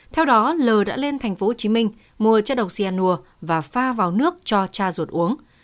theo đó lờ đã lên thành phố hồ chí minh mua chất độc xe nua và pha vào nước cho cha ruột uống